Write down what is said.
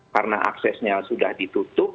karena aksesnya sudah ditutup